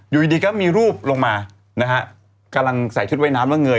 อยู่ดีดีก็มีรูปลงมานะฮะกำลังใส่ชุดว่ายน้ำแล้วเงย